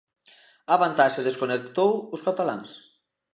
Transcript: A vantaxe desconectou os cataláns.